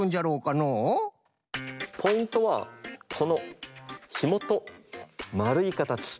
ポイントはこのひもとまるいかたち。